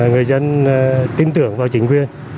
người dân tin tưởng vào chính quyền